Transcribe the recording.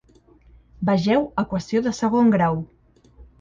Vegeu Equació de segon grau.